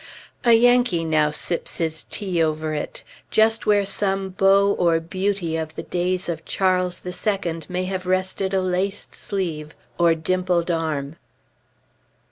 A Yankee now sips his tea over it, just where some beau or beauty of the days of Charles II may have rested a laced sleeve or dimpled arm....